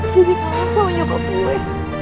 sedih banget sama nyokap gue